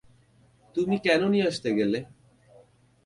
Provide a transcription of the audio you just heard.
তুমি কেন নিয়ে আসতে গেলে?